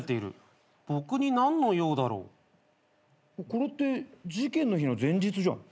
これって事件の日の前日じゃん。